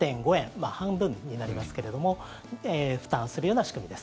まあ、半分になりますけれども負担するような仕組みです。